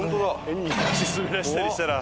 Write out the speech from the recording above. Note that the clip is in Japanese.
変に足滑らせたりしたら。